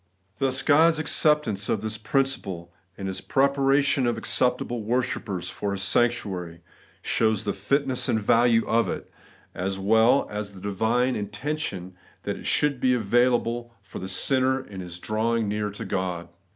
Thus God's acceptance of this principle, in His preparation of acceptable worshippers for His sanctuary, shows the fitness and value of it, as 22 • The Everlasting Righteousness, well as the divine intention that it should be avail able for the sinner in his drawing near to God.